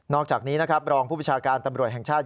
อกจากนี้นะครับรองผู้ประชาการตำรวจแห่งชาติ